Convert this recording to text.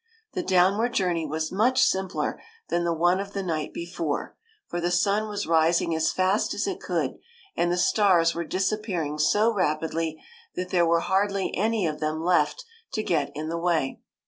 The downward journey was much simpler than the one of the night before, for the sun was rising as fast as it could, and the stars were disappearing so rapidly that there were hardly any of them left to get in the way.